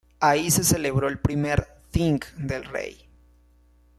Ahí se celebró el primer thing del rey.